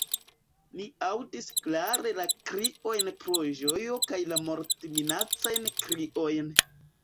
Ni aŭdis klare la kriojn pro ĝojo kaj la mortminacajn kriojn.